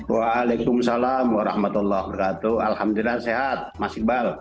waalaikumsalam warahmatullahi wabarakatuh alhamdulillah sehat masih bal